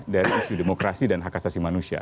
dari isu demokrasi dan hak asasi manusia